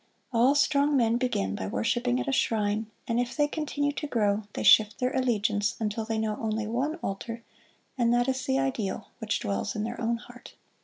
All strong men begin by worshiping at a shrine, and if they continue to grow they shift their allegiance until they know only one altar and that is the Ideal which dwells in their own heart.